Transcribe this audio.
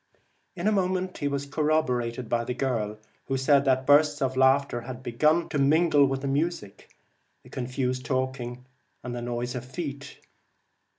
In a moment he was corroborated by the girl, who said that bursts of laughter had begun to mingle with the music, the confused talking, and the noise of feet.